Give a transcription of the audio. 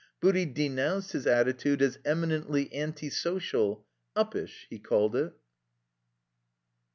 Booty denounced his at titude as eminently anti social — ^uppish, he called it.